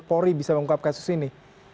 polri bisa mengungkap kasus ini